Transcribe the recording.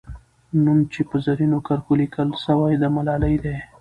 نوم چې په زرینو کرښو لیکل سوی، د ملالۍ دی.